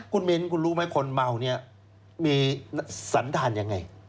คุณเมนคุณรู้ไหมคนเมานี่มีสันทานอย่างไร